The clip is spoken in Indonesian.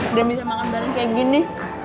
udah bisa makan bareng kayak gini